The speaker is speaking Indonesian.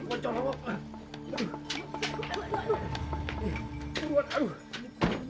aku kaget perhatikan